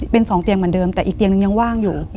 เป็น๒เตียงเหมือนเดิมแต่อีกเตียงนึงยังว่างอยู่